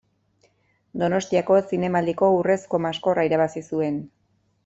Donostiako Zinemaldiko Urrezko Maskorra irabazi zuen.